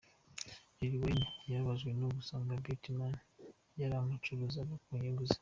Lil Wayne yababajwe no gusanga Birdman yaramucuruzaga ku nyungu ze.